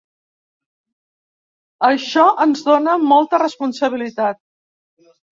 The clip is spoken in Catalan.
Això ens dóna molta responsabilitat.